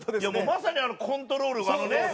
まさにコントロールあのね。